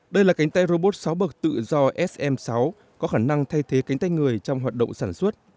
đây là cánh tay robot sáu bậc tự do sm sáu có khả năng thay thế cánh tay người trong hoạt động sản xuất